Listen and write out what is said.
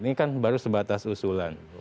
ini kan baru sebatas usulan